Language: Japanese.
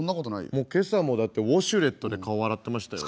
もう今朝もだってウォシュレットで顔洗ってましたよ。